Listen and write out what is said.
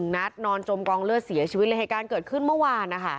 นัดนอนจมกองเลือดเสียชีวิตเลยเหตุการณ์เกิดขึ้นเมื่อวานนะคะ